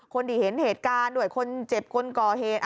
คนที่เห็นเหตุการณ์ด้วยคนเจ็บคนก่อเหตุ